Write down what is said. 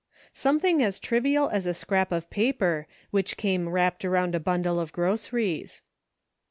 SOMETHING as trivial as a scrap of paper, which came wrapped around a bundle of groceries.